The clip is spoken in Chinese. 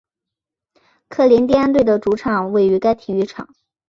科林蒂安队的主场位于该体育场。